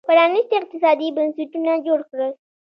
پرانېستي اقتصادي بنسټونه جوړ کړل